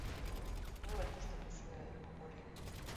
Nola ikusten duzue helburu hori?